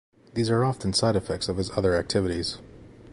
These are often side effects of his other activities.